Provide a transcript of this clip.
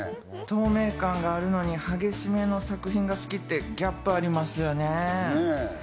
透明感があるのに激しめの作品が好きってギャップありますよね。